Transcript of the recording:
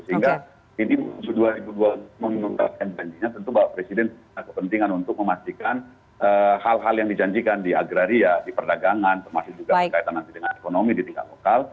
sehingga ini dua ribu dua puluh menuntaskan janjinya tentu bapak presiden kepentingan untuk memastikan hal hal yang dijanjikan di agraria di perdagangan termasuk juga berkaitan nanti dengan ekonomi di tingkat lokal